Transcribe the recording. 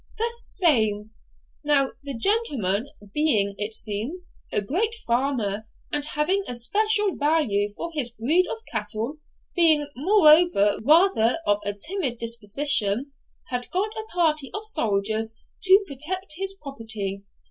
'The same. Now the gentleman being, it seems, a great farmer, and having a special value for his breed of cattle, being, moreover, rather of a timid disposition, had got a party of soldiers to protect his property.